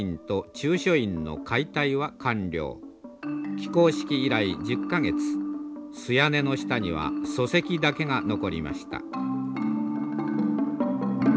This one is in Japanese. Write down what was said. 起工式以来１０か月素屋根の下には礎石だけが残りました。